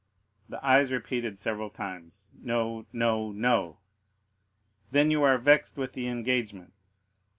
The eyes repeated several times, "No, no, no." "Then you are vexed with the engagement?"